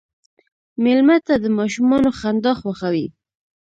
مېلمه ته د ماشومانو خندا خوښوي.